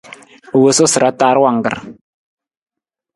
U wosu sa ra taar wangkar.